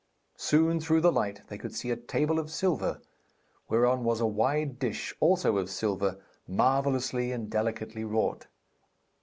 Soon through the light they could see a table of silver, whereon was a wide dish also of silver, marvellously and delicately wrought.